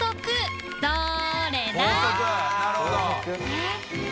えっ？